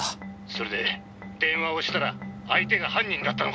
「それで電話をしたら相手が犯人だったのか？」